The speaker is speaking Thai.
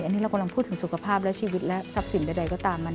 อันนี้เรากำลังพูดถึงสุขภาพและชีวิตและทรัพย์สินใดก็ตามมัน